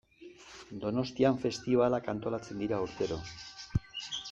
Donostian festibalak antolatzen dira urtero.